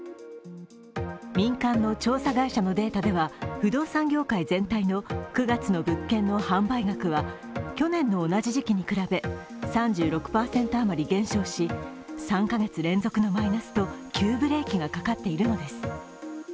民間の調査会社のデータでは不動産業界全体の９月の物件の販売額は去年の同じ時期に比べ３６％余り減少し、３カ月連続のマイナスと急ブレーキがかかっているのです。